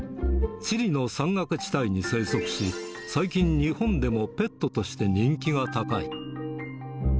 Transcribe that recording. チリの山岳地帯に生息し、最近、日本でもペットとして人気が高い。